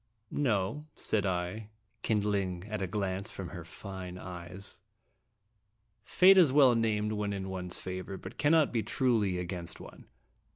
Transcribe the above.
"No," said I, kindling at a glance from her fine eyes; "Fate is well named when in one's favor, but cannot be truly against one.